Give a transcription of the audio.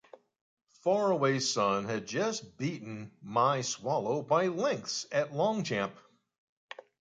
Faraway Son had just beaten My Swallow by lengths at Longchamp.